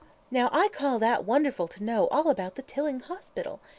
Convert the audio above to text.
Now I call that wonderful to know all about the Tilling hospital!